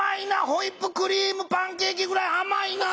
ホイップクリームパンケーキぐらいあまいな。